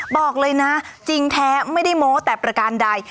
บอกเลยนะจริงแท้ไม่ได้โม้แต่ประการใด